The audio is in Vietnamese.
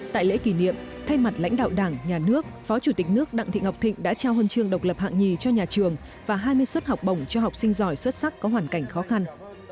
tại lễ kỷ niệm thay mặt lãnh đạo đảng nhà nước phó chủ tịch nước đặng thị ngọc thịnh đã trao huân chương độc lập hạng nhì cho nhà trường và hai mươi suất học bổng cho học sinh giỏi xuất sắc có hoàn cảnh khó khăn